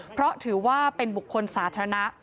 เพราะถือว่าเป็นบุคคลสาธารณะ